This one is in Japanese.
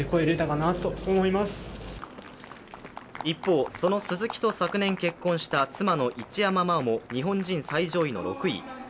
一方、その鈴木と昨年結婚した妻の一山麻緒も日本人最上位の６位。